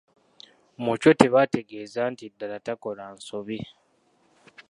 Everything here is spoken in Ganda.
Mu kyo tebategeeza nti ddala takola nsobi.